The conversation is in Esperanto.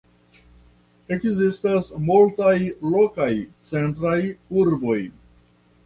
Ekzistas multaj lokaj centraj urboj.